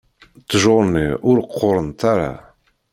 Ttjur-nni ur qqurent ara.